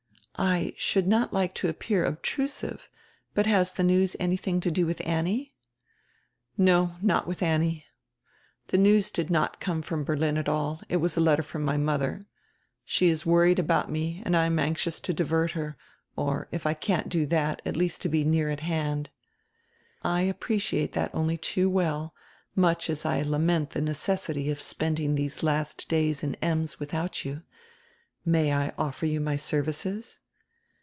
"I should not like to appear obtrusive, but has the news anything to do widi Annie?" "No, not widi Annie. The news did not come from Ber lin at all, it was a letter from my modier. She is worried about me and I am anxious to divert her, or, if I can't do that, at least to be near at hand." "I appreciate diat only too well, much as I lament die necessity of spending diese last days in Ems widiout you. May I offer you my services?"